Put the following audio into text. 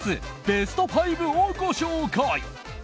ベスト５をご紹介！